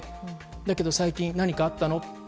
だけど最近何かあったの？